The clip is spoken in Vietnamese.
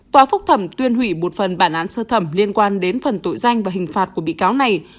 tòa phúc thẩm tuyên hủy một phần bản án sơ thẩm liên quan đến phần tội danh và hình phạt của bị cáo này